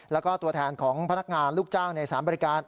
แล้วก็ตัวแทนของพนักงานลูกจ้างในสารบริการ